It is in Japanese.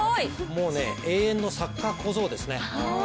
もうね、永遠のサッカー小僧ですね。